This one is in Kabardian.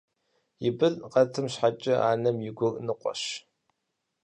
И бын къэтым щхьэкӀэ анэм и гур ныкъуэщ.